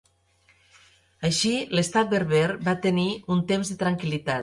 Així, l'estat berber va tenir un temps de tranquil·litat.